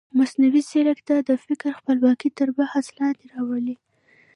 مصنوعي ځیرکتیا د فکر خپلواکي تر بحث لاندې راولي.